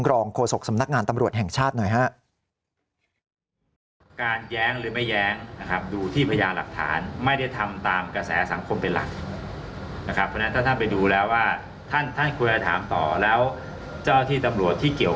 โฆษกสำนักงานตำรวจแห่งชาติหน่อยฮะ